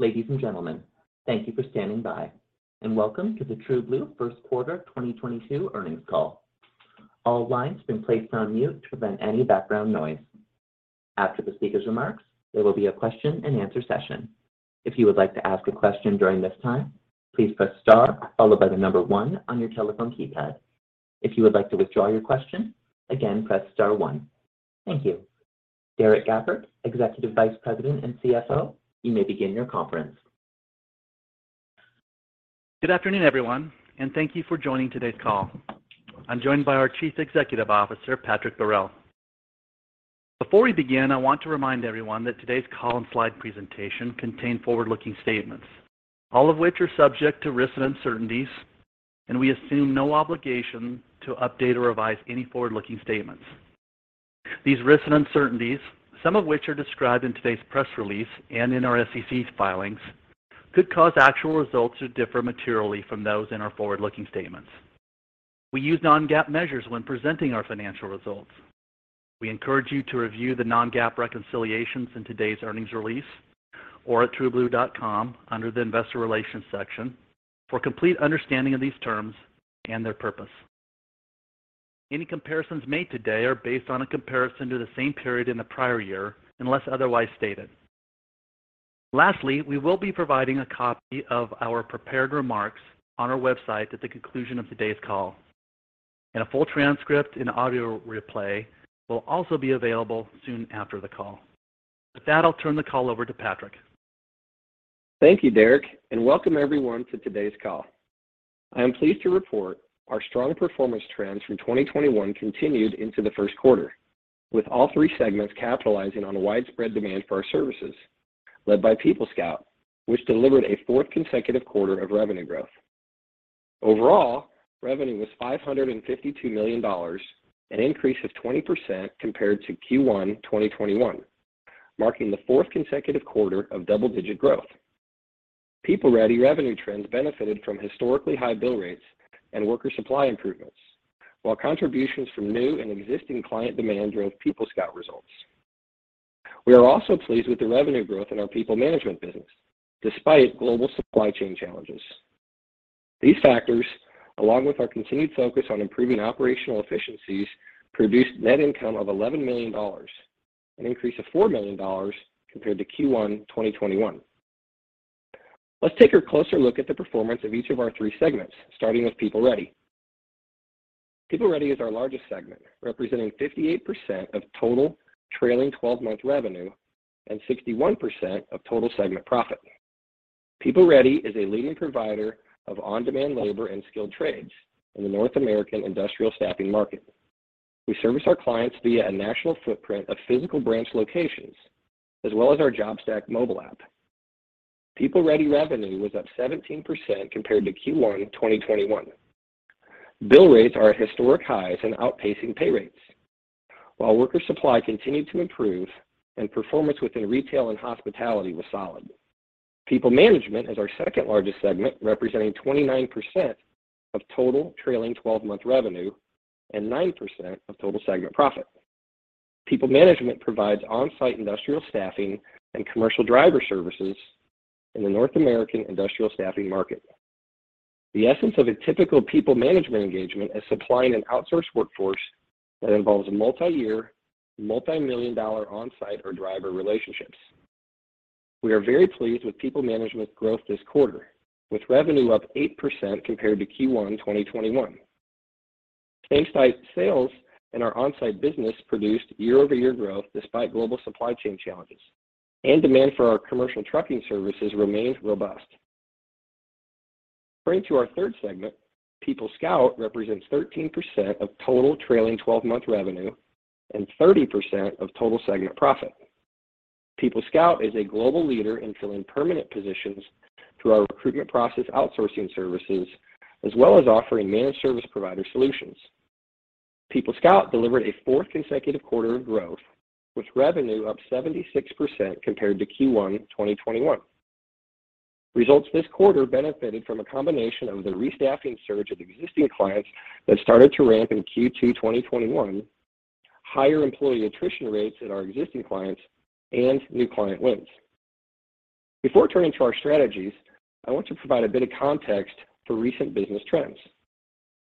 `Ladies and gentlemen, thank you for standing by, and welcome to the TrueBlue first quarter 2022 earnings call. All lines have been placed on mute to prevent any background noise. After the speaker's remarks, there will be a question-and-answer session. If you would like to ask a question during this time, please press star followed by the number one on your telephone keypad. If you would like to withdraw your question, again, press star one. Thank you. Derrek Gafford, Executive Vice President and CFO, you may begin your conference. Good afternoon, everyone, and thank you for joining today's call. I'm joined by our Chief Executive Officer, Patrick Beharelle. Before we begin, I want to remind everyone that today's call and slide presentation contain forward-looking statements, all of which are subject to risks and uncertainties, and we assume no obligation to update or revise any forward-looking statements. These risks and uncertainties, some of which are described in today's press release and in our SEC filings, could cause actual results to differ materially from those in our forward-looking statements. We use non-GAAP measures when presenting our financial results. We encourage you to review the non-GAAP reconciliations in today's earnings release or at trueblue.com under the Investor Relations section for complete understanding of these terms and their purpose. Any comparisons made today are based on a comparison to the same period in the prior year, unless otherwise stated. Lastly, we will be providing a copy of our prepared remarks on our website at the conclusion of today's call, and a full transcript and audio replay will also be available soon after the call. With that, I'll turn the call over to Patrick. Thank you, Derrek, and welcome everyone to today's call. I am pleased to report our strong performance trends from 2021 continued into the first quarter, with all three segments capitalizing on widespread demand for our services, led by PeopleScout, which delivered a fourth consecutive quarter of revenue growth. Overall, revenue was $552 million, an increase of 20% compared to Q1 2021, marking the fourth consecutive quarter of double-digit growth. PeopleReady revenue trends benefited from historically high bill rates and worker supply improvements, while contributions from new and existing client demand drove PeopleScout results. We are also pleased with the revenue growth in our PeopleManagement business, despite global supply chain challenges. These factors, along with our continued focus on improving operational efficiencies, produced net income of $11 million, an increase of $4 million compared to Q1 2021. Let's take a closer look at the performance of each of our three segments, starting with PeopleReady. PeopleReady is our largest segment, representing 58% of total trailing 12-month revenue and 61% of total segment profit. PeopleReady is a leading provider of on-demand labor and skilled trades in the North American industrial staffing market. We service our clients via a national footprint of physical branch locations as well as our JobStack mobile app. PeopleReady revenue was up 17% compared to Q1 2021. Bill rates are at historic highs and outpacing pay rates, while worker supply continued to improve and performance within retail and hospitality was solid. PeopleManagement is our second-largest segment, representing 29% of total trailing 12-month revenue and 9% of total segment profit. PeopleManagement provides on-site industrial staffing and commercial driver services in the North American industrial staffing market. The essence of a typical PeopleManagement engagement is supplying an outsourced workforce that involves multi-year, multimillion-dollar on-site or driver relationships. We are very pleased with PeopleManagement's growth this quarter, with revenue up 8% compared to Q1 2021. Same-site sales in our on-site business produced year-over-year growth despite global supply chain challenges, and demand for our commercial trucking services remained robust. Turning to our third segment, PeopleScout represents 13% of total trailing twelve-month revenue and 30% of total segment profit. PeopleScout is a global leader in filling permanent positions through our recruitment process outsourcing services, as well as offering managed service provider solutions. PeopleScout delivered a fourth consecutive quarter of growth, with revenue up 76% compared to Q1 2021. Results this quarter benefited from a combination of the restaffing surge of existing clients that started to ramp in Q2 2021, higher employee attrition rates at our existing clients, and new client wins. Before turning to our strategies, I want to provide a bit of context for recent business trends.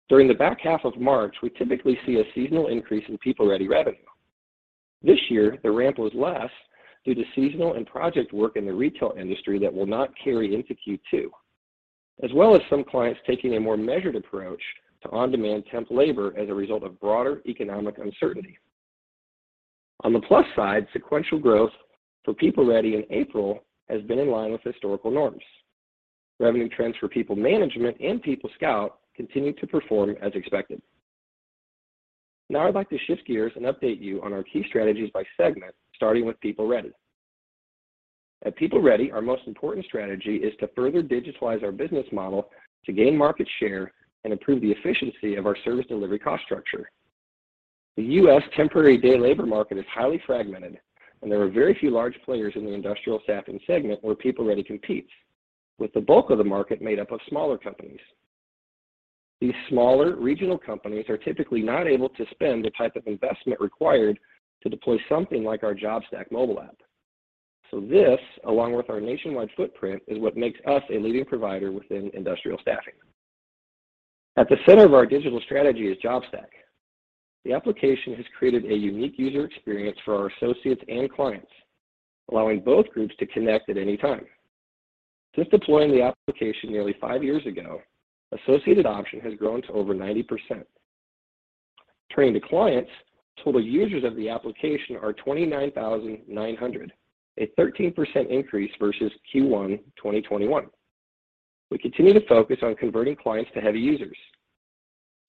During the back half of March, we typically see a seasonal increase in PeopleReady revenue. This year, the ramp was less due to seasonal and project work in the retail industry that will not carry into Q2, as well as some clients taking a more measured approach to on-demand temp labor as a result of broader economic uncertainty. On the plus side, sequential growth for PeopleReady in April has been in line with historical norms. Revenue trends for PeopleManagement and PeopleScout continued to perform as expected. Now I'd like to shift gears and update you on our key strategies by segment, starting with PeopleReady. At PeopleReady, our most important strategy is to further digitize our business model to gain market share and improve the efficiency of our service delivery cost structure. The U.S. temporary day labor market is highly fragmented, and there are very few large players in the industrial staffing segment where PeopleReady competes, with the bulk of the market made up of smaller companies. These smaller regional companies are typically not able to spend the type of investment required to deploy something like our JobStack mobile app. So this, along with our nationwide footprint, is what makes us a leading provider within industrial staffing. At the center of our digital strategy is JobStack. The application has created a unique user experience for our associates and clients, allowing both groups to connect at any time. Since deploying the application nearly five years ago, associated adoption has grown to over 90%. Turning to clients, total users of the application are 29,900, a 13% increase versus Q1 2021. We continue to focus on converting clients to heavy users.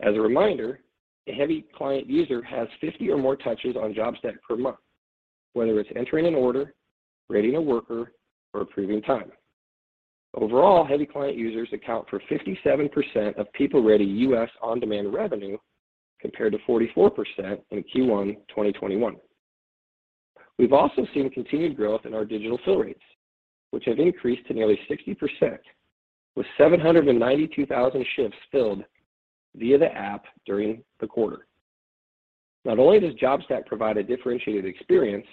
As a reminder, a heavy client user has 50 or more touches on JobStack per month, whether it's entering an order, grading a worker, or approving time. Overall, heavy client users account for 57% of PeopleReady U.S. on-demand revenue, compared to 44% in Q1 2021. We've also seen continued growth in our digital fill rates, which have increased to nearly 60%, with 792,000 shifts filled via the app during the quarter. Not only does JobStack provide a differentiated experience,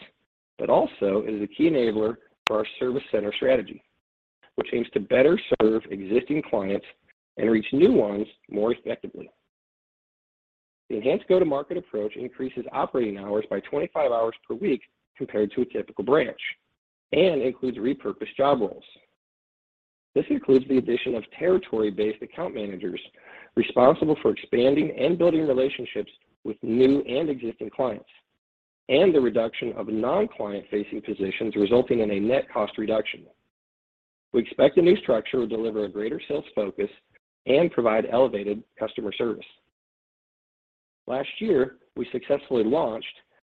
but also is a key enabler for our service center strategy, which aims to better serve existing clients and reach new ones more effectively. The enhanced go-to-market approach increases operating hours by 25 hours per week compared to a typical branch and includes repurposed job roles. This includes the addition of territory-based account managers responsible for expanding and building relationships with new and existing clients, and the reduction of non-client facing positions resulting in a net cost reduction. We expect the new structure will deliver a greater sales focus and provide elevated customer service. Last year, we successfully launched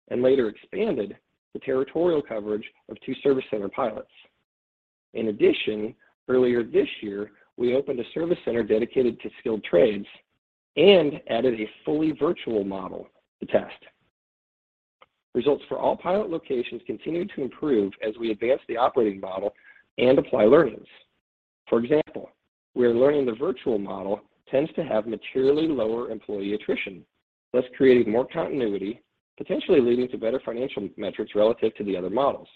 and later expanded the territorial coverage of two service center pilots. In addition, earlier this year, we opened a service center dedicated to skilled trades and added a fully virtual model to test. Results for all pilot locations continue to improve as we advance the operating model and apply learnings. For example, we are learning the virtual model tends to have materially lower employee attrition, thus creating more continuity, potentially leading to better financial metrics relative to the other models.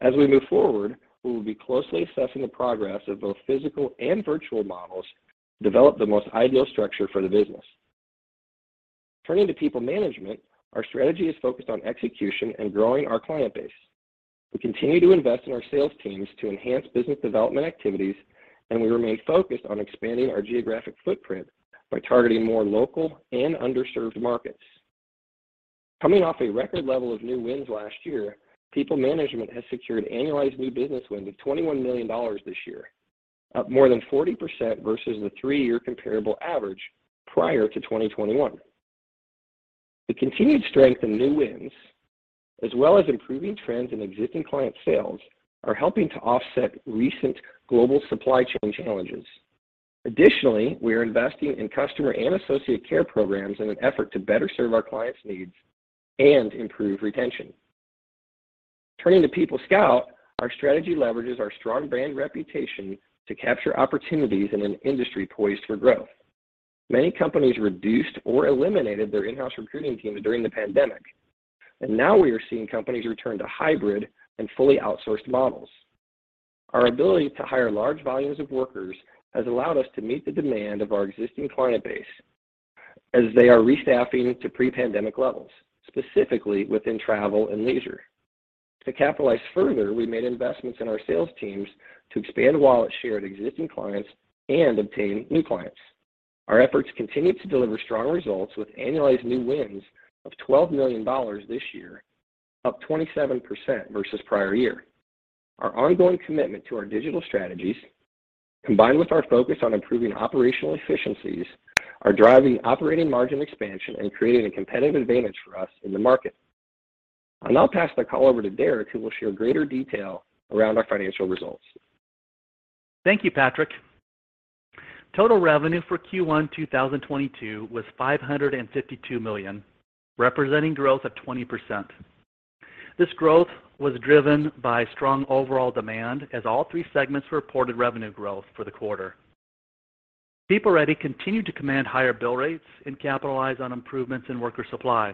As we move forward, we will be closely assessing the progress of both physical and virtual models to develop the most ideal structure for the business. Turning to PeopleManagement, our strategy is focused on execution and growing our client base. We continue to invest in our sales teams to enhance business development activities, and we remain focused on expanding our geographic footprint by targeting more local and underserved markets. Coming off a record level of new wins last year, PeopleManagement has secured annualized new business wins of $21 million this year, up more than 40% versus the three-year comparable average prior to 2021. The continued strength in new wins, as well as improving trends in existing client sales, are helping to offset recent global supply chain challenges. Additionally, we are investing in customer and associate care programs in an effort to better serve our clients' needs and improve retention. Turning to PeopleScout, our strategy leverages our strong brand reputation to capture opportunities in an industry poised for growth. Many companies reduced or eliminated their in-house recruiting teams during the pandemic, and now we are seeing companies return to hybrid and fully outsourced models. Our ability to hire large volumes of workers has allowed us to meet the demand of our existing client base as they are restaffing to pre-pandemic levels, specifically within travel and leisure. To capitalize further, we made investments in our sales teams to expand wallet share at existing clients and obtain new clients. Our efforts continue to deliver strong results with annualized new wins of $12 million this year, up 27% versus prior year. Our ongoing commitment to our digital strategies, combined with our focus on improving operational efficiencies, are driving operating margin expansion and creating a competitive advantage for us in the market. I'll now pass the call over to Derrek, who will share greater detail around our financial results. Thank you, Patrick. Total revenue for Q1 2022 was $552 million, representing growth of 20%. This growth was driven by strong overall demand as all three segments reported revenue growth for the quarter. PeopleReady continued to command higher bill rates and capitalize on improvements in worker supply.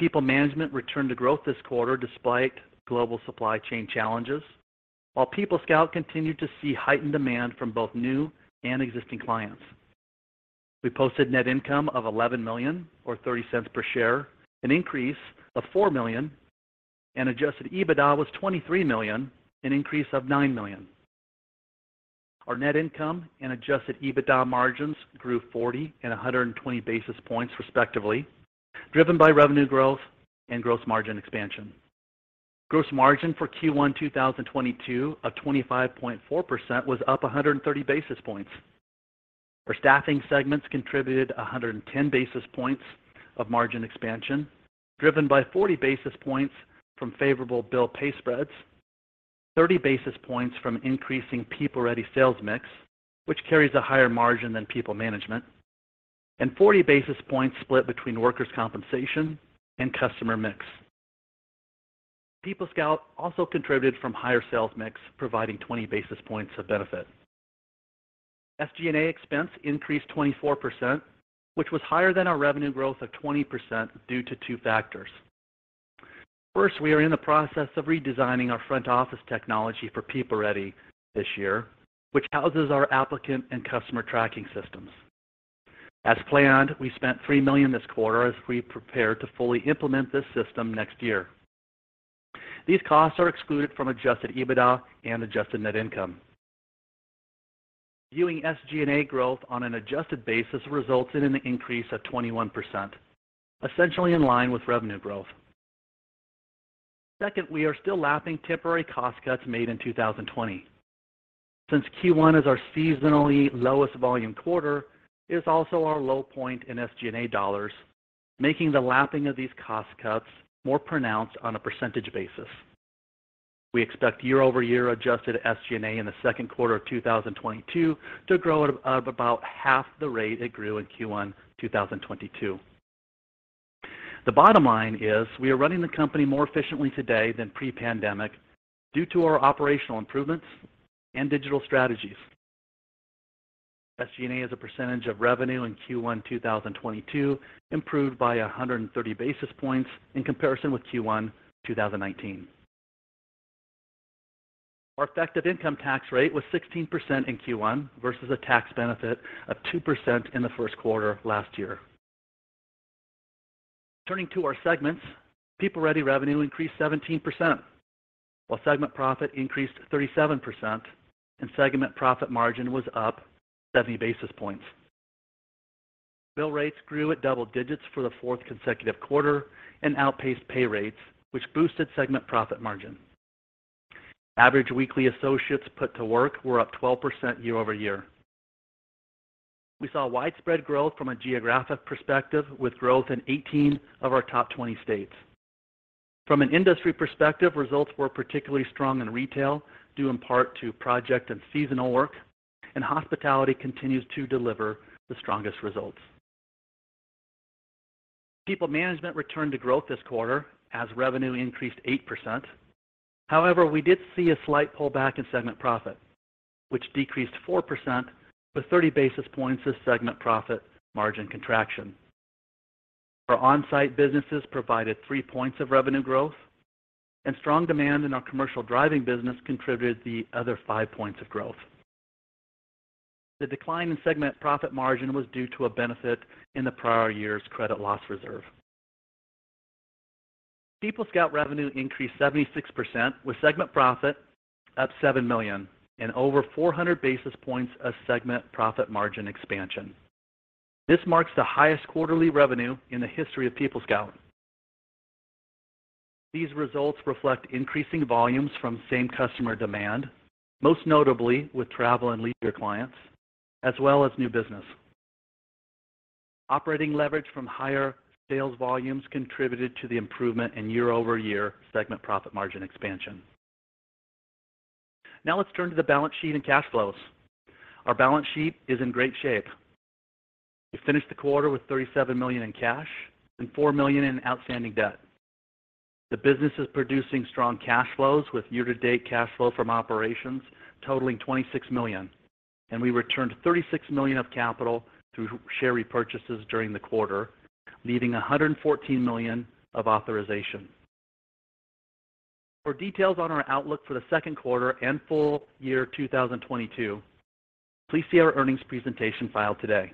PeopleManagement returned to growth this quarter despite global supply chain challenges, while PeopleScout continued to see heightened demand from both new and existing clients. We posted net income of $11 million or $0.30 per share, an increase of $4 million, and adjusted EBITDA was $23 million, an increase of $9 million. Our net income and adjusted EBITDA margins grew 40 and 120 basis points, respectively, driven by revenue growth and gross margin expansion. Gross margin for Q1 2022 of 25.4% was up 130 basis points. Our staffing segments contributed 110 basis points of margin expansion, driven by 40 basis points from favorable bill/pay spreads, 30 basis points from increasing PeopleReady sales mix, which carries a higher margin than PeopleManagement, and 40 basis points split between workers' compensation and customer mix. PeopleScout also contributed from higher sales mix, providing 20 basis points of benefit. SG&A expense increased 24%, which was higher than our revenue growth of 20% due to two factors. First, we are in the process of redesigning our front office technology for PeopleReady this year, which houses our applicant and customer tracking systems. As planned, we spent $3 million this quarter as we prepare to fully implement this system next year. These costs are excluded from adjusted EBITDA and adjusted net income. Viewing SG&A growth on an adjusted basis results in an increase of 21%, essentially in line with revenue growth. Second, we are still lapping temporary cost cuts made in 2020. Since Q1 is our seasonally lowest volume quarter, it is also our low point in SG&A dollars, making the lapping of these cost cuts more pronounced on a percentage basis. We expect year-over-year adjusted SG&A in the second quarter of 2022 to grow at about half the rate it grew in Q1 2022. The bottom line is we are running the company more efficiently today than pre-pandemic due to our operational improvements and digital strategies. SG&A as a percentage of revenue in Q1 2022 improved by 130 basis points in comparison with Q1 2019. Our effective income tax rate was 16% in Q1 versus a tax benefit of 2% in the first quarter of last year. Turning to our segments, PeopleReady revenue increased 17%, while segment profit increased 37% and segment profit margin was up 70 basis points. Bill rates grew at double digits for the fourth consecutive quarter and outpaced pay rates, which boosted segment profit margin. Average weekly associates put to work were up 12% year-over-year. We saw widespread growth from a geographic perspective, with growth in 18 of our top 20 states. From an industry perspective, results were particularly strong in retail, due in part to project and seasonal work, and hospitality continues to deliver the strongest results. PeopleManagement returned to growth this quarter as revenue increased 8%. However, we did see a slight pullback in segment profit, which decreased 4% with 30 basis points of segment profit margin contraction. Our on-site businesses provided 3 points of revenue growth, and strong demand in our commercial driving business contributed the other 5 points of growth. The decline in segment profit margin was due to a benefit in the prior year's credit loss reserve. PeopleScout revenue increased 76% with segment profit up $7 million and over 400 basis points of segment profit margin expansion. This marks the highest quarterly revenue in the history of PeopleScout. These results reflect increasing volumes from same customer demand, most notably with travel and leisure clients, as well as new business. Operating leverage from higher sales volumes contributed to the improvement in year-over-year segment profit margin expansion. Now let's turn to the balance sheet and cash flows. Our balance sheet is in great shape. We finished the quarter with $37 million in cash and $4 million in outstanding debt. The business is producing strong cash flows with year-to-date cash flow from operations totaling $26 million, and we returned $36 million of capital through share repurchases during the quarter, leaving $114 million of authorization. For details on our outlook for the second quarter and full year 2022, please see our earnings presentation filed today.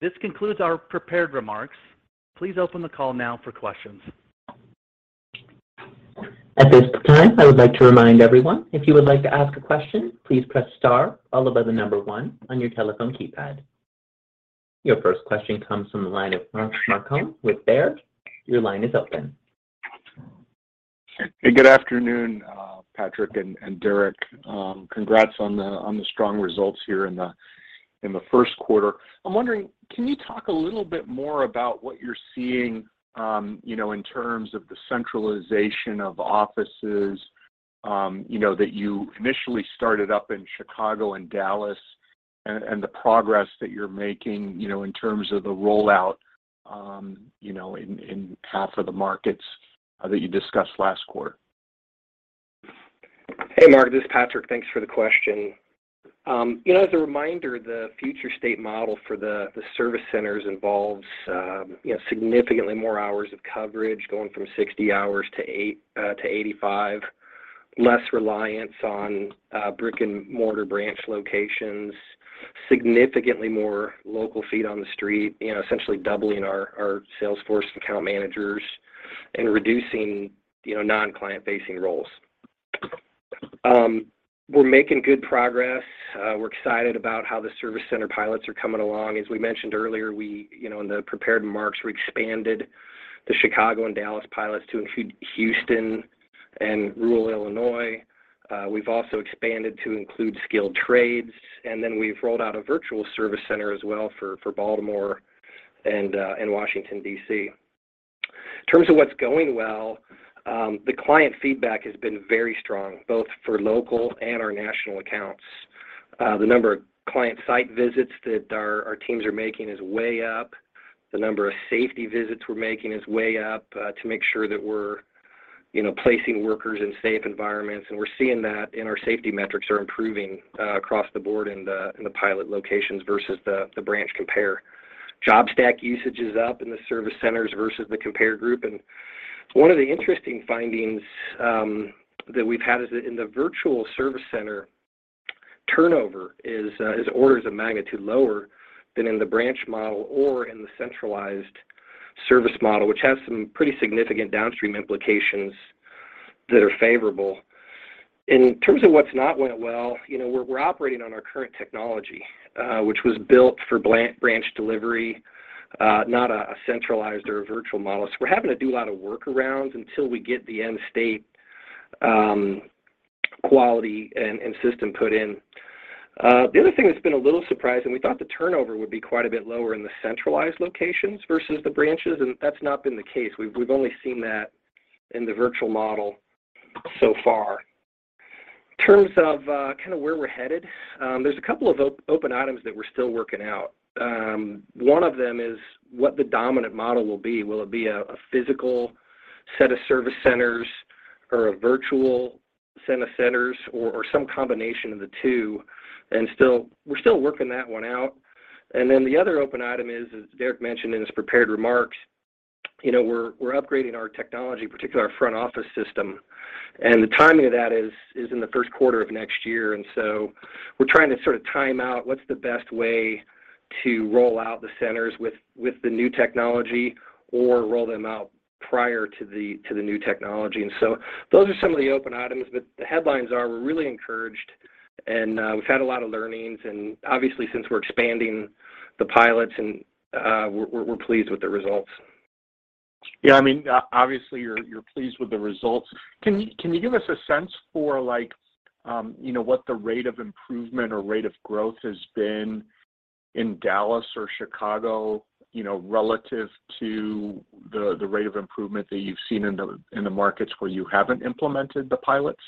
This concludes our prepared remarks. Please open the call now for questions. At this time, I would like to remind everyone, if you would like to ask a question, please press star followed by the number one on your telephone keypad. Your first question comes from the line of Mark Marcon with Baird. Your line is open. Hey, good afternoon, Patrick and Derrek. Congrats on the strong results here in the first quarter. I'm wondering, can you talk a little bit more about what you're seeing, you know, in terms of the centralization of offices, you know, that you initially started up in Chicago and Dallas and the progress that you're making, you know, in terms of the rollout, you know, in half of the markets that you discussed last quarter? Hey, Mark, this is Patrick. Thanks for the question. You know, as a reminder, the future state model for the service centers involves significantly more hours of coverage, going from 60 hours to 85, less reliance on brick and mortar branch locations, significantly more local feet on the street, you know, essentially doubling our sales force account managers and reducing non-client-facing roles. We're making good progress. We're excited about how the service center pilots are coming along. As we mentioned earlier, you know, in the prepared remarks, we expanded the Chicago and Dallas pilots to include Houston and rural Illinois. We've also expanded to include skilled trades, and then we've rolled out a virtual service center as well for Baltimore and Washington, D.C. In terms of what's going well, the client feedback has been very strong, both for local and our national accounts. The number of client site visits that our teams are making is way up. The number of safety visits we're making is way up to make sure that we're, you know, placing workers in safe environments, and we're seeing that and our safety metrics are improving across the board in the pilot locations versus the branch compare. JobStack usage is up in the service centers versus the compare group. One of the interesting findings that we've had is that in the virtual service center, turnover is orders of magnitude lower than in the branch model or in the centralized service model, which has some pretty significant downstream implications that are favorable. In terms of what's not gone well, we're operating on our current technology, which was built for branch delivery, not a centralized or a virtual model. We're having to do a lot of workarounds until we get the end state quality and system put in. The other thing that's been a little surprising, we thought the turnover would be quite a bit lower in the centralized locations versus the branches, and that's not been the case. We've only seen that in the virtual model so far. In terms of kinda where we're headed, there's a couple of open items that we're still working out. One of them is what the dominant model will be. Will it be a physical set of service centers or a virtual set of centers or some combination of the two? We're still working that one out. Then the other open item is, as Derrek mentioned in his prepared remarks, you know, we're upgrading our technology, particularly our front office system, and the timing of that is in the first quarter of next year. We're trying to sort of time out what's the best way to roll out the centers with the new technology or roll them out prior to the new technology. Those are some of the open items. The headlines are we're really encouraged, and we've had a lot of learnings and obviously since we're expanding the pilots and we're pleased with the results. Yeah. I mean, obviously, you're pleased with the results. Can you give us a sense for, like, you know, what the rate of improvement or rate of growth has been in Dallas or Chicago, you know, relative to the rate of improvement that you've seen in the markets where you haven't implemented the pilots?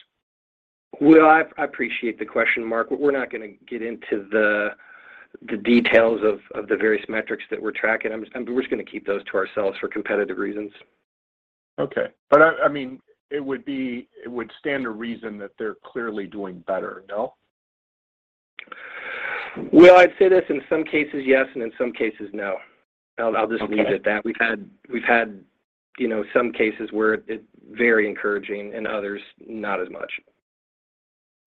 Well, I appreciate the question, Mark, but we're not gonna get into the details of the various metrics that we're tracking. We're just gonna keep those to ourselves for competitive reasons. Okay. I mean, it would stand to reason that they're clearly doing better, no? Well, I'd say this, in some cases yes, and in some cases no. I'll just leave it at that. Okay. We've had, you know, some cases where it's very encouraging, and others not as much.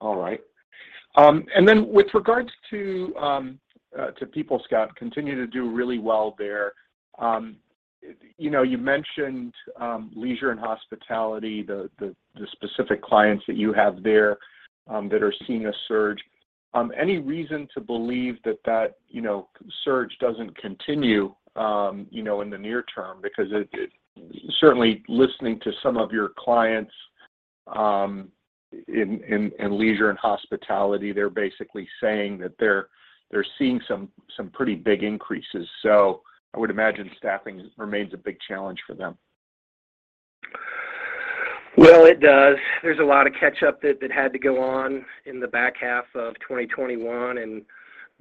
All right. With regards to PeopleScout, continue to do really well there. You know, you mentioned leisure and hospitality, the specific clients that you have there that are seeing a surge. Any reason to believe that surge doesn't continue, you know, in the near term? Because certainly, listening to some of your clients in leisure and hospitality, they're basically saying that they're seeing some pretty big increases. I would imagine staffing remains a big challenge for them. Well, it does. There's a lot of catch-up that had to go on in the back half of 2021, and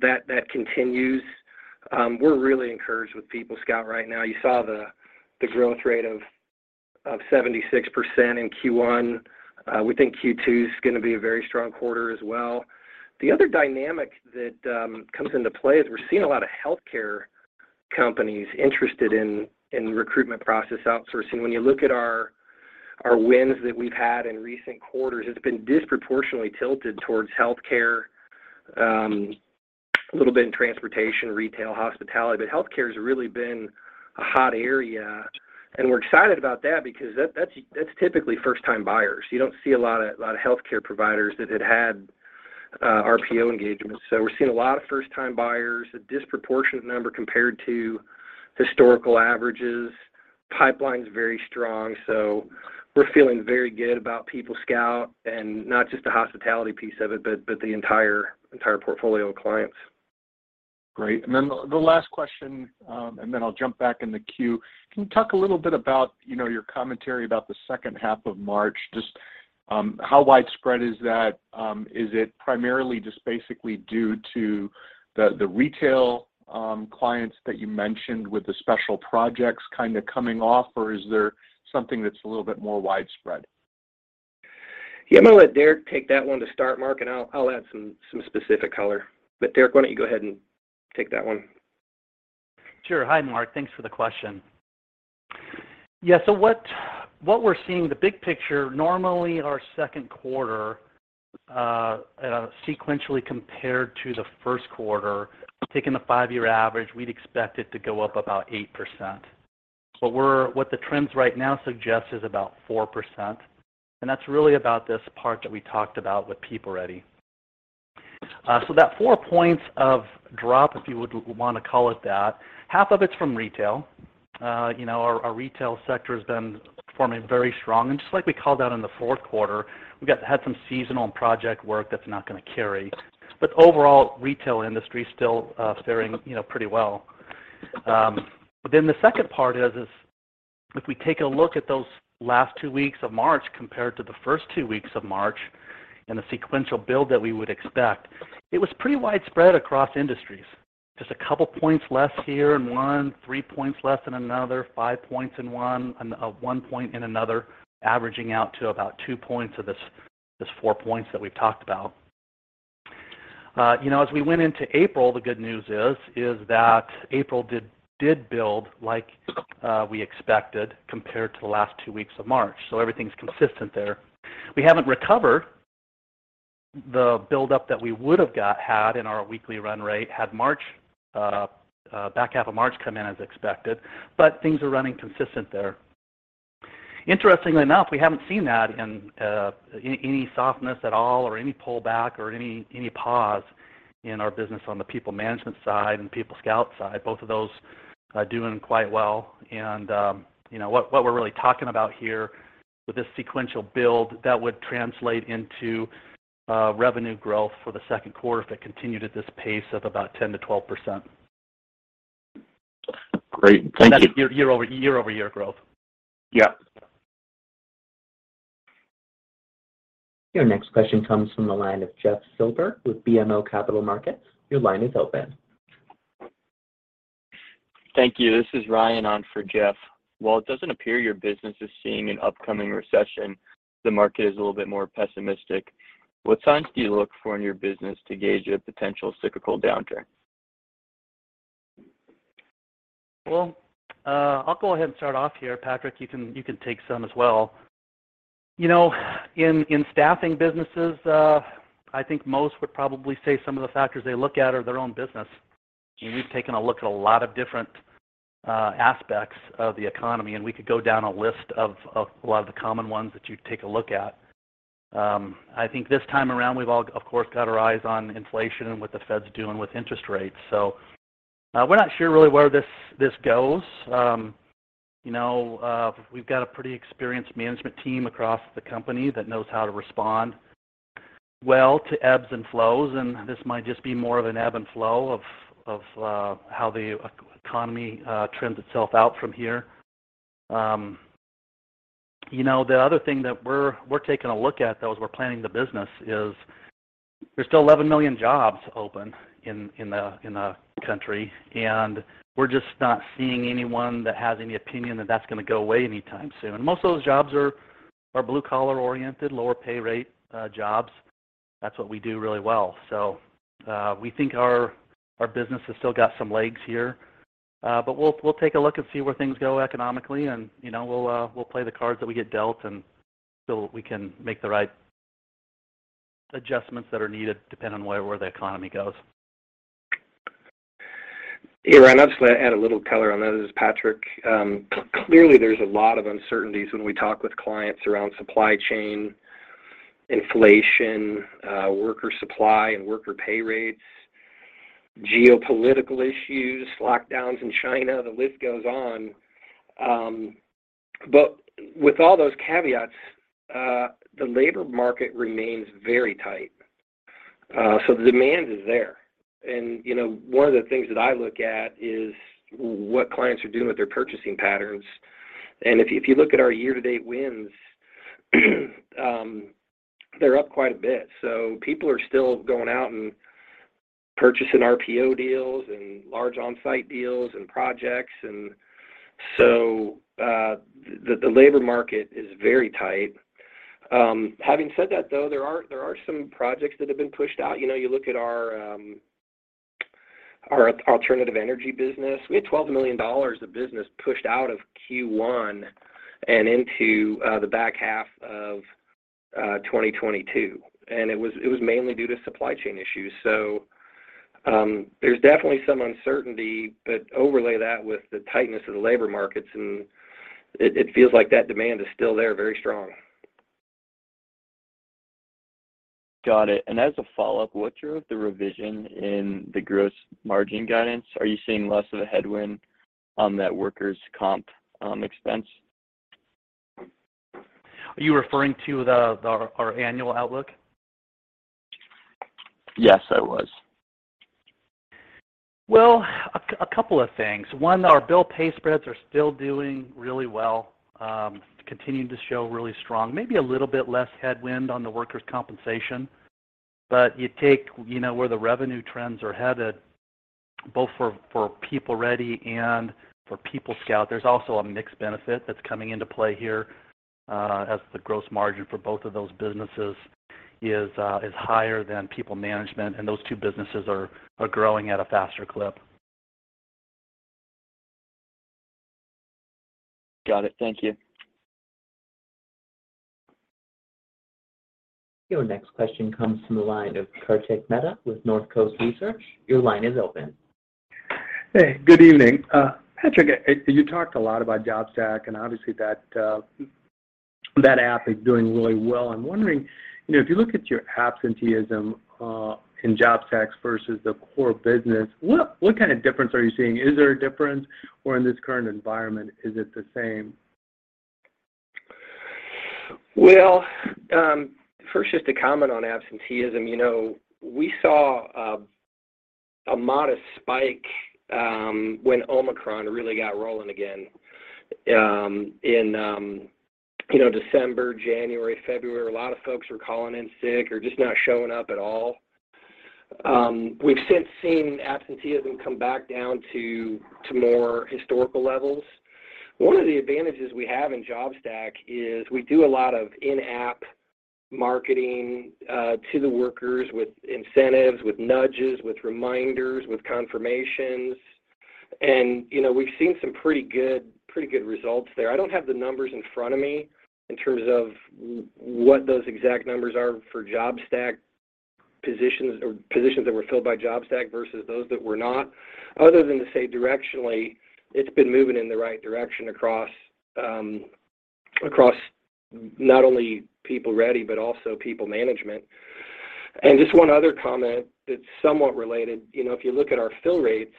that continues. We're really encouraged with PeopleScout right now. You saw the growth rate of 76% in Q1. We think Q2's gonna be a very strong quarter as well. The other dynamic that comes into play is we're seeing a lot of healthcare companies interested in recruitment process outsourcing. When you look at our wins that we've had in recent quarters, it's been disproportionately tilted towards healthcare, a little bit in transportation, retail, hospitality, but healthcare's really been a hot area. We're excited about that because that's typically first-time buyers. You don't see a lot of healthcare providers that had RPO engagements. We're seeing a lot of first-time buyers, a disproportionate number compared to historical averages. Pipeline's very strong, so we're feeling very good about PeopleScout and not just the hospitality piece of it, but the entire portfolio of clients. Great. The last question, and then I'll jump back in the queue. Can you talk a little bit about, you know, your commentary about the second half of March? Just, how widespread is that? Is it primarily just basically due to the retail clients that you mentioned with the special projects kinda coming off, or is there something that's a little bit more widespread? Yeah. I'm gonna let Derrek take that one to start, Mark, and I'll add some specific color. Derrek, why don't you go ahead and take that one? Sure. Hi, Mark. Thanks for the question. Yeah. What we're seeing, the big picture, normally our second quarter, sequentially compared to the first quarter, taking the five-year average, we'd expect it to go up about 8%. But what the trends right now suggest is about 4%, and that's really about this part that we talked about with PeopleReady. That 4 points of drop, if you would wanna call it that, half of it's from retail. You know, our retail sector has been performing very strong. Just like we called out in the fourth quarter, we had some seasonal and project work that's not gonna carry. Overall, retail industry is still faring, you know, pretty well. The second part is. If we take a look at those last two weeks of March compared to the first two weeks of March and the sequential build that we would expect, it was pretty widespread across industries. Just a couple points less here in one, three points less in another, five points in one, and one point in another, averaging out to about two points of this four points that we've talked about. You know, as we went into April, the good news is that April did build like we expected compared to the last two weeks of March. Everything's consistent there. We haven't recovered the buildup that we would have had in our weekly run rate had March back half of March come in as expected, but things are running consistent there. Interestingly enough, we haven't seen that in any softness at all or any pullback or any pause in our business on the PeopleManagement side and PeopleScout side. Both of those are doing quite well. You know, what we're really talking about here with this sequential build, that would translate into revenue growth for the second quarter if it continued at this pace of about 10%-12%. Great. Thank you. That's year-over-year growth. Yeah. Your next question comes from the line of Jeff Silber with BMO Capital Markets. Your line is open. Thank you. This is Ryan on for Jeff. While it doesn't appear your business is seeing an upcoming recession, the market is a little bit more pessimistic. What signs do you look for in your business to gauge a potential cyclical downturn? Well, I'll go ahead and start off here. Patrick, you can take some as well. You know, in staffing businesses, I think most would probably say some of the factors they look at are their own business. We've taken a look at a lot of different aspects of the economy, and we could go down a list of a lot of the common ones that you'd take a look at. I think this time around, we've all, of course, got our eyes on inflation and what the Fed's doing with interest rates. We're not sure really where this goes. You know, we've got a pretty experienced management team across the company that knows how to respond well to ebbs and flows, and this might just be more of an ebb and flow of how the economy trends itself out from here. You know, the other thing that we're taking a look at, though, as we're planning the business is there's still 11 million jobs open in the country, and we're just not seeing anyone that has any opinion that that's gonna go away anytime soon. Most of those jobs are blue-collar-oriented, lower pay rate jobs. That's what we do really well. We think our business has still got some legs here. We'll take a look and see where things go economically, and you know, we'll play the cards that we get dealt, and so we can make the right adjustments that are needed depending on where the economy goes. Yeah, Ryan, I'll just add a little color on that. This is Patrick. Clearly, there's a lot of uncertainties when we talk with clients around supply chain, inflation, worker supply, and worker pay rates, geopolitical issues, lockdowns in China, the list goes on. With all those caveats, the labor market remains very tight. The demand is there. You know, one of the things that I look at is what clients are doing with their purchasing patterns. If you look at our year-to-date wins, they're up quite a bit. People are still going out and purchasing RPO deals and large on-site deals and projects. The labor market is very tight. Having said that, though, there are some projects that have been pushed out. You know, you look at our alternative energy business. We had $12 million of business pushed out of Q1 and into the back half of 2022, and it was mainly due to supply chain issues. There's definitely some uncertainty, but overlay that with the tightness of the labor markets, and it feels like that demand is still there, very strong. Got it. As a follow-up, what's the revision in the gross margin guidance? Are you seeing less of a headwind on that workers' comp expense? Are you referring to our annual outlook? Yes, I was. Well, a couple of things. One, our bill/pay spreads are still doing really well, continuing to show really strong, maybe a little bit less headwind on the workers' compensation. You take, you know, where the revenue trends are headed both for PeopleReady and for PeopleScout, there's also a mixed benefit that's coming into play here, as the gross margin for both of those businesses is higher than PeopleManagement, and those two businesses are growing at a faster clip. Got it. Thank you. Your next question comes from the line of Kartik Mehta with Northcoast Research. Your line is open. Hey, good evening. Patrick, you talked a lot about JobStack, and obviously that app is doing really well. I'm wondering, you know, if you look at your absenteeism in JobStack's versus the core business, what kind of difference are you seeing? Is there a difference? Or in this current environment, is it the same? Well, first just to comment on absenteeism. You know, we saw a modest spike when Omicron really got rolling again in, you know, December, January, February. A lot of folks were calling in sick or just not showing up at all. We've since seen absenteeism come back down to more historical levels. One of the advantages we have in JobStack is we do a lot of in-app marketing to the workers with incentives, with nudges, with reminders, with confirmations, and, you know, we've seen some pretty good results there. I don't have the numbers in front of me in terms of what those exact numbers are for JobStack positions or positions that were filled by JobStack versus those that were not, other than to say directionally it's been moving in the right direction across not only PeopleReady, but also PeopleManagement. Just one other comment that's somewhat related. You know, if you look at our fill rates,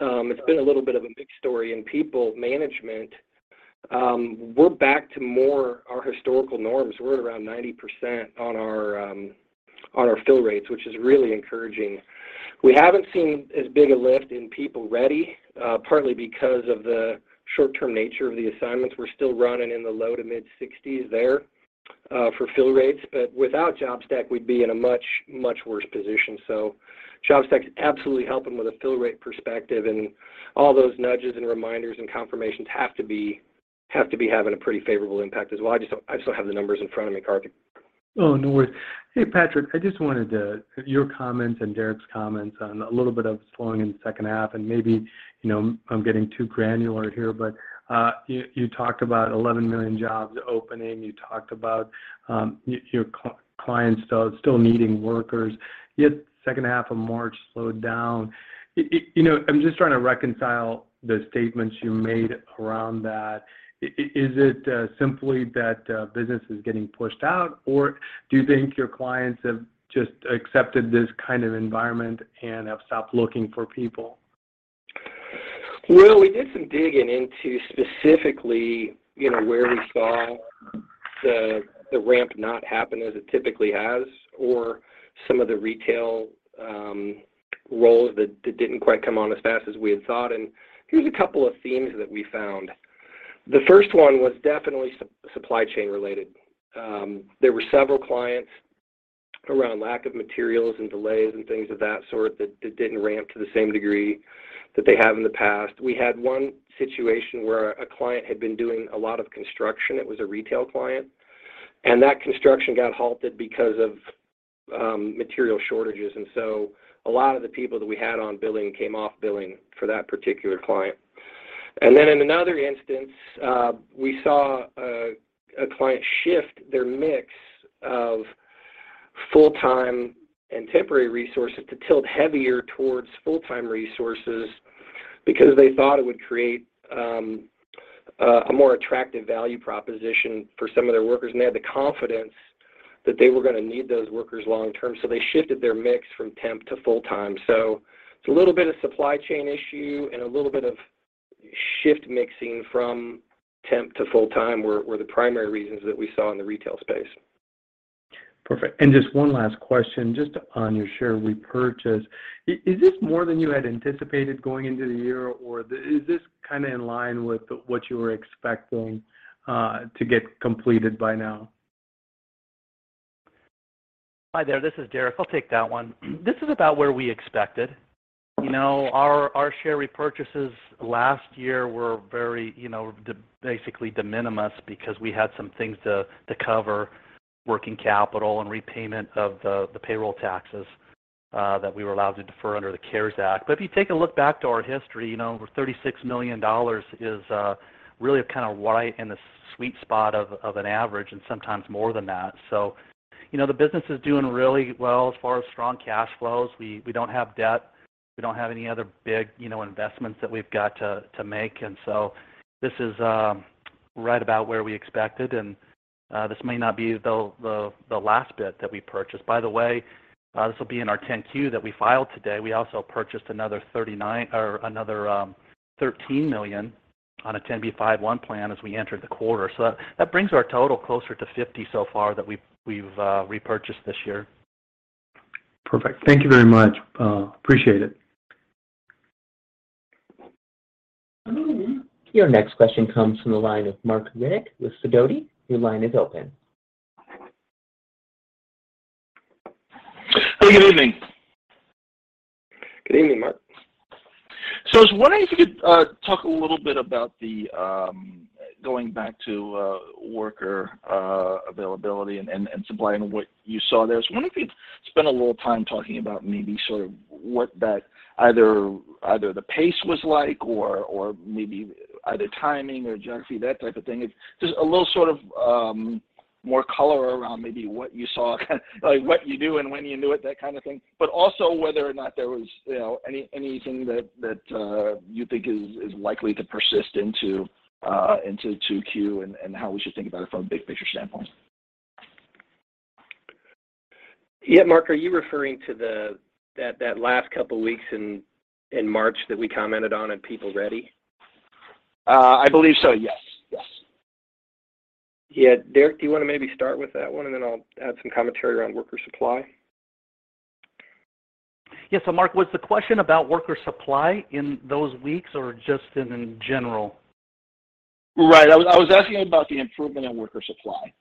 it's been a little bit of a big story in PeopleManagement. We're back to more our historical norms. We're at around 90% on our fill rates, which is really encouraging. We haven't seen as big a lift in PeopleReady, partly because of the short-term nature of the assignments. We're still running in the low- to mid-60s% there for fill rates, but without JobStack, we'd be in a much, much worse position. JobStack is absolutely helping with a fill rate perspective, and all those nudges and reminders and confirmations have to be having a pretty favorable impact as well. I just don't have the numbers in front of me, Kartik. Oh, no worries. Hey, Patrick, I just wanted to. Your comments and Derrek's comments on a little bit of slowing in the second half, and maybe, you know, I'm getting too granular here, but you talked about 11 million jobs opening. You talked about your clients still needing workers, yet second half of March slowed down. You know, I'm just trying to reconcile the statements you made around that. Is it simply that business is getting pushed out, or do you think your clients have just accepted this kind of environment and have stopped looking for people? Well, we did some digging into specifically, you know, where we saw the ramp not happen as it typically has or some of the retail roles that didn't quite come on as fast as we had thought, and here's a couple of themes that we found. The first one was definitely supply chain related. There were several clients around lack of materials and delays and things of that sort that didn't ramp to the same degree that they have in the past. We had one situation where a client had been doing a lot of construction. It was a retail client, and that construction got halted because of material shortages, and so a lot of the people that we had on billing came off billing for that particular client. Then in another instance, we saw a client shift their mix of full-time and temporary resources to tilt heavier towards full-time resources because they thought it would create a more attractive value proposition for some of their workers, and they had the confidence that they were gonna need those workers long term, so they shifted their mix from temp to full-time. It's a little bit of supply chain issue and a little bit of shift mixing from temp to full-time were the primary reasons that we saw in the retail space. Perfect. Just one last question, just on your share repurchase. Is this more than you had anticipated going into the year, or is this kind of in line with what you were expecting to get completed by now? Hi there. This is Derrek. I'll take that one. This is about where we expected. You know, our share repurchases last year were very, you know, basically de minimis because we had some things to cover, working capital and repayment of the payroll taxes that we were allowed to defer under the CARES Act. But if you take a look back to our history, you know, over $36 million is really kind of right in the sweet spot of an average and sometimes more than that. You know, the business is doing really well as far as strong cash flows. We don't have debt. We don't have any other big, you know, investments that we've got to make, and so this is right about where we expected, and this may not be the last bit that we purchased. By the way, this will be in our 10-Q that we filed today. We also purchased another 13 million on a 10b5-1 plan as we entered the quarter. That brings our total closer to $50 million so far that we've repurchased this year. Perfect. Thank you very much. Appreciate it. Your next question comes from the line of Marc Riddick with Sidoti. Your line is open. Hello, good evening. Good evening, Mark. I was wondering if you could talk a little bit about the going back to worker availability and supply and what you saw there. I was wondering if you'd spend a little time talking about maybe sort of what that either the pace was like or maybe either timing or geography, that type of thing. If just a little sort of more color around maybe what you saw, like what you do and when you knew it, that kind of thing, but also whether or not there was, you know, anything that you think is likely to persist into 2Q and how we should think about it from a big picture standpoint. Yeah, Mark, are you referring to that last couple weeks in March that we commented on in PeopleReady? I believe so, yes. Yes. Yeah. Derrek, do you wanna maybe start with that one, and then I'll add some commentary around worker supply? Yeah. Mark, was the question about worker supply in those weeks, or just in general? Right. I was asking about the improvement in worker supply. Okay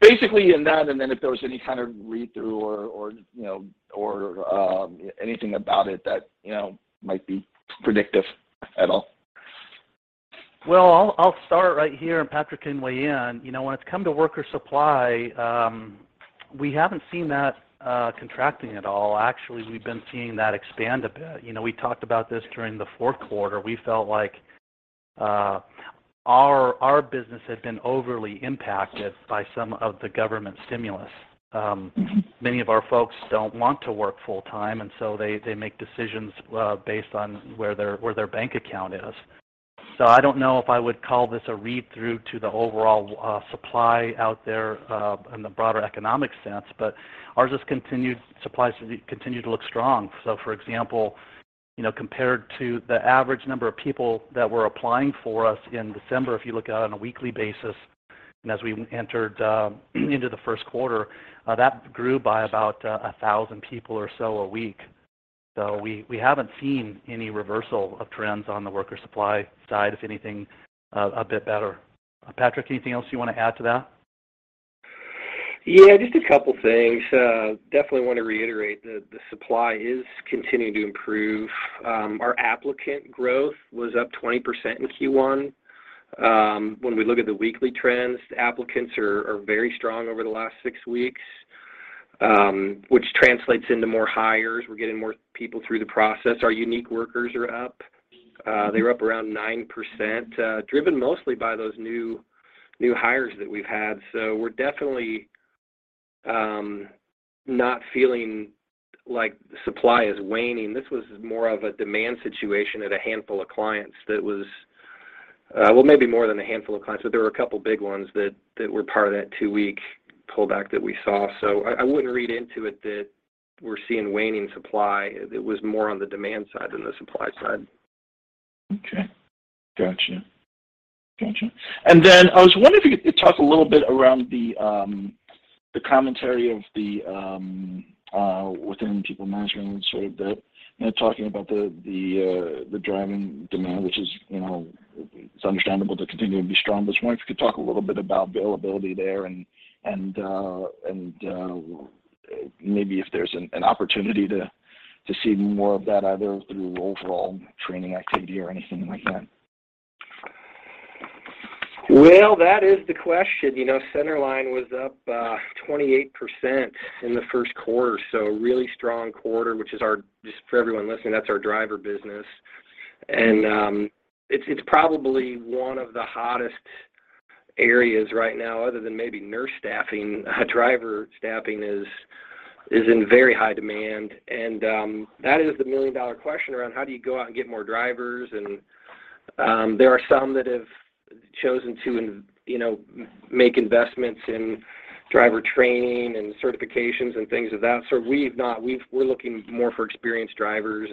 Basically in that, and then if there was any kind of read-through or, you know, or anything about it that, you know, might be predictive at all. Well, I'll start right here, and Patrick can weigh in. You know, when it comes to worker supply, we haven't seen that contracting at all. Actually, we've been seeing that expand a bit. You know, we talked about this during the fourth quarter. We felt like our business had been overly impacted by some of the government stimulus. Mm-hmm Many of our folks don't want to work full-time, and so they make decisions based on where their bank account is. I don't know if I would call this a read-through to the overall supply out there in the broader economic sense, but our supply has continued to look strong. For example, you know, compared to the average number of people that were applying for us in December, if you look out on a weekly basis, and as we entered into the first quarter, that grew by about 1,000 people or so a week. We haven't seen any reversal of trends on the worker supply side. If anything, a bit better. Patrick, anything else you want to add to that? Yeah, just a couple things. Definitely want to reiterate the supply is continuing to improve. Our applicant growth was up 20% in Q1. When we look at the weekly trends, the applicants are very strong over the last six weeks, which translates into more hires. We're getting more people through the process. Our unique workers are up. They're up around 9%, driven mostly by those new hires that we've had. We're definitely not feeling like supply is waning. This was more of a demand situation at a handful of clients that was, well, maybe more than a handful of clients, but there were a couple big ones that were part of that two-week pullback that we saw. I wouldn't read into it that we're seeing waning supply. It was more on the demand side than the supply side. Okay. Gotcha. I was wondering if you could talk a little bit around the commentary within PeopleManagement, sort of the, you know, talking about the driver demand, which is, you know, it's understandable to continue to be strong. I just wonder if you could talk a little bit about availability there and maybe if there's an opportunity to see more of that, either through overall training activity or anything like that. Well, that is the question. You know, Centerline Drivers was up 28% in the first quarter, so a really strong quarter, which is our. Just for everyone listening, that's our driver business. It's probably one of the hottest areas right now, other than maybe nurse staffing. Driver staffing is in very high demand, and that is the million-dollar question around how do you go out and get more drivers. There are some that have chosen to make investments in driver training and certifications and things of that sort. We've not. We're looking more for experienced drivers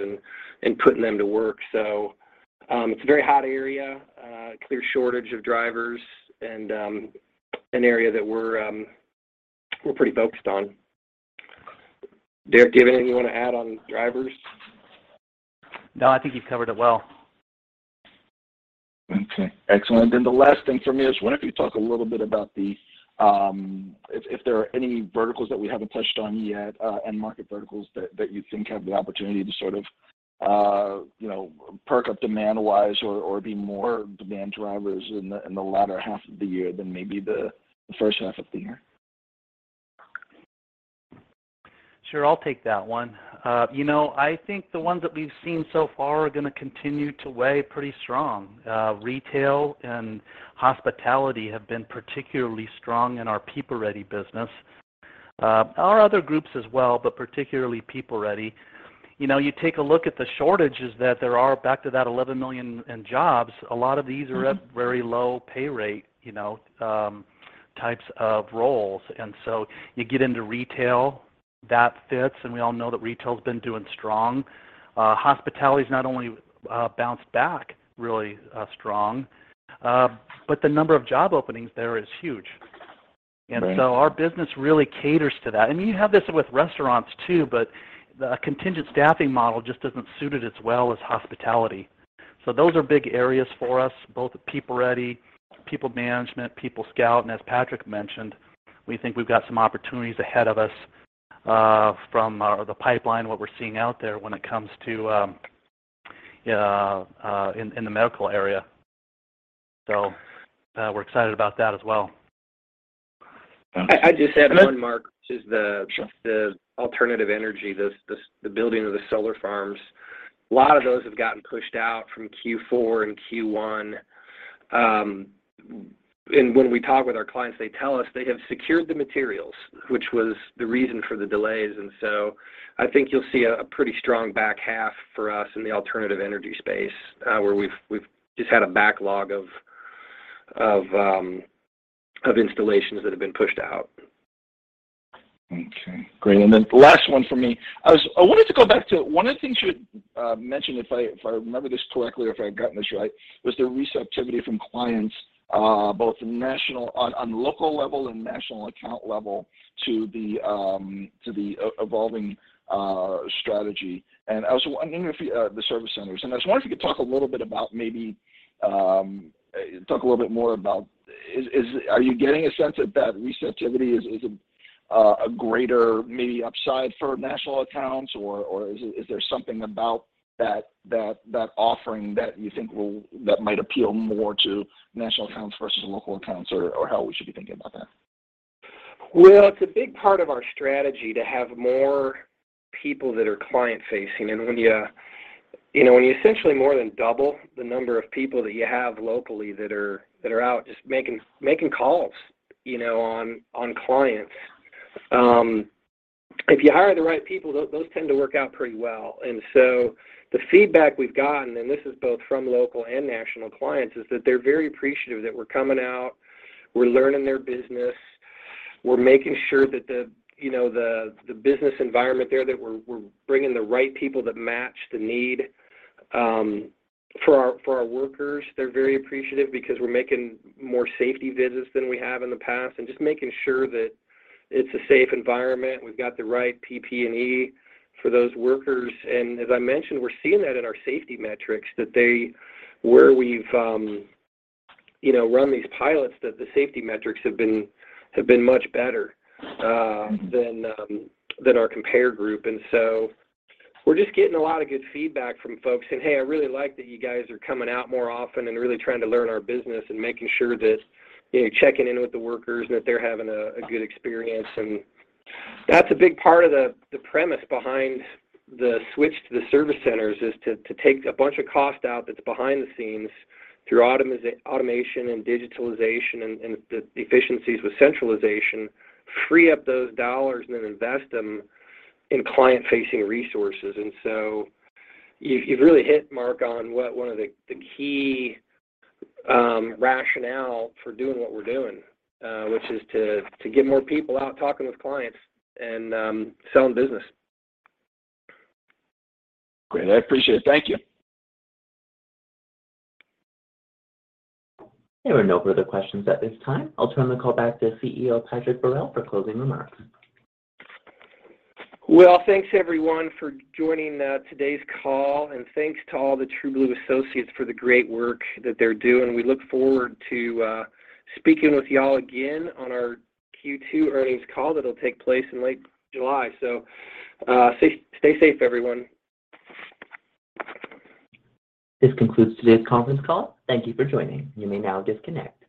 and putting them to work. It's a very hot area, clear shortage of drivers and an area that we're pretty focused on. Derrek, do you have anything you wanna add on drivers? No, I think you've covered it well. Okay. Excellent. The last thing from me is, I wonder if you could talk a little bit about if there are any verticals that we haven't touched on yet, end market verticals that you think have the opportunity to sort of, you know, perk up demand-wise or be more demand drivers in the latter half of the year than maybe the first half of the year. Sure. I'll take that one. You know, I think the ones that we've seen so far are gonna continue to way pretty strong. Retail and hospitality have been particularly strong in our PeopleReady business. Our other groups as well, but particularly PeopleReady. You know, you take a look at the shortages that there are, back to that 11 million jobs, a lot of these are at very low pay rate, you know, types of roles. You get into retail, that fits, and we all know that retail's been doing strong. Hospitality's not only bounced back really strong, but the number of job openings there is huge. Right. Our business really caters to that. You have this with restaurants too, but the contingent staffing model just isn't suited as well as hospitality. Those are big areas for us, both PeopleReady, PeopleManagement, PeopleScout, and as Patrick mentioned, we think we've got some opportunities ahead of us, from the pipeline, what we're seeing out there when it comes to in the medical area. We're excited about that as well. Sounds good. I just have one, Mark- Sure which is the alternative energy, the building of the solar farms. A lot of those have gotten pushed out from Q4 and Q1. When we talk with our clients, they tell us they have secured the materials, which was the reason for the delays, and so I think you'll see a pretty strong back half for us in the alternative energy space, where we've just had a backlog of installations that have been pushed out. Okay, great. Then last one for me. I wanted to go back to one of the things you mentioned, if I remember this correctly or if I've gotten this right, was the receptivity from clients, both national on local level and national account level to the evolving strategy. I was wondering if you could talk a little bit about maybe talk a little bit more about are you getting a sense that that receptivity is a greater maybe upside for national accounts or is there something about that offering that you think might appeal more to national accounts versus local accounts or how we should be thinking about that? Well, it's a big part of our strategy to have more people that are client-facing. When you know, when you essentially more than double the number of people that you have locally that are out just making calls, you know, on clients, if you hire the right people, those tend to work out pretty well. The feedback we've gotten, and this is both from local and national clients, is that they're very appreciative that we're coming out, we're learning their business, we're making sure that the business environment there that we're bringing the right people that match the need for our workers. They're very appreciative because we're making more safety visits than we have in the past and just making sure that it's a safe environment. We've got the right PPE for those workers. As I mentioned, we're seeing that in our safety metrics where we've, you know, run these pilots that the safety metrics have been much better than our comparison group. We're just getting a lot of good feedback from folks saying, "Hey, I really like that you guys are coming out more often and really trying to learn our business and making sure that, you know, checking in with the workers, that they're having a good experience." That's a big part of the premise behind the switch to the service centers is to take a bunch of cost out that's behind the scenes through automation and digitalization and the efficiencies with centralization, free up those dollars, and then invest them in client-facing resources. You've really hit, Mark, on what one of the key rationale for doing what we're doing, which is to get more people out talking with clients and selling business. Great. I appreciate it. Thank you. There are no further questions at this time. I'll turn the call back to CEO, Patrick Beharelle for closing remarks. Well, thanks everyone for joining today's call and thanks to all the TrueBlue associates for the great work that they're doing. We look forward to speaking with y'all again on our Q2 earnings call that'll take place in late July. Stay safe everyone. This concludes today's conference call. Thank you for joining. You may now disconnect.